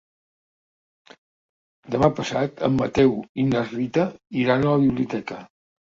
Demà passat en Mateu i na Rita iran a la biblioteca.